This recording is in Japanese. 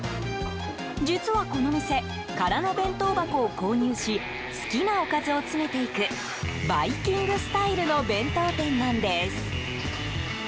実は、この店空の弁当箱を購入し好きなおかずを詰めていくバイキングスタイルの弁当店なんです。